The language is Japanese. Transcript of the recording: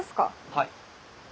はい。